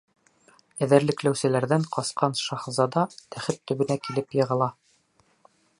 Эҙәрлекләүселәрҙән ҡасҡан шаһзадә тәхет төбөнә килеп йығыла.